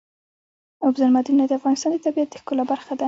اوبزین معدنونه د افغانستان د طبیعت د ښکلا برخه ده.